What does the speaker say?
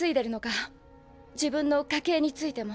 自分の家系についても。